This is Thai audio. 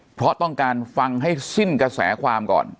เพราะต้องการฟังให้สิ้นกระแสความก่อน